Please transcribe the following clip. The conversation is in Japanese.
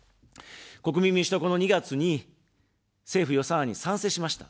国民民主党は、この２月に政府予算案に賛成しました。